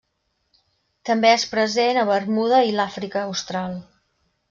També és present a Bermuda i a l'Àfrica Austral.